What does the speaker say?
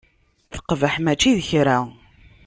Teqbeḥ mačči d kra.